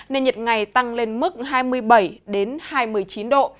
nên nhiệt ngày tăng lên mức hai mươi bảy hai mươi chín độ